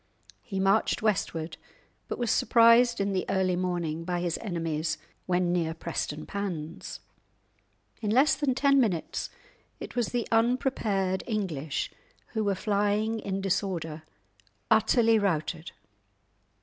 He marched westward, but was surprised in the early morning by his enemies when near Prestonpans. In less than ten minutes it was the unprepared English who were flying in disorder, utterly routed.